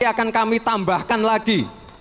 akan kami tambahkan lagi